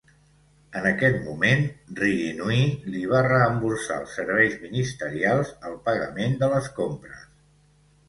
En aquest moment, Ririnui li va reemborsar als Serveis Ministerials el pagament de les compres.